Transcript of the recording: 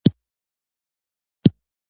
یادو کډوالو خوراکي توکو ته تقاضا لوړه کړه.